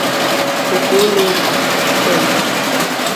nke ụlọụka 'St